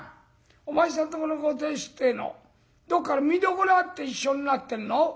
お前さんとこのご亭主ってえのどっか見どころあって一緒になってんの？」。